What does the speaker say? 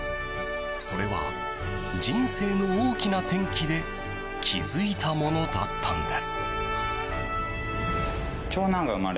それは人生の大きな転機で気づいたものだったんです。